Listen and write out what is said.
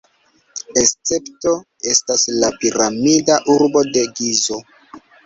Escepto estas la piramida urbo de Gizo.